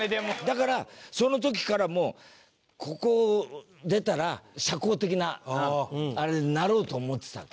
だからその時からもうここを出たら社交的なあれになろうと思ってた。